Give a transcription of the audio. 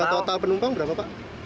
total penumpang berapa pak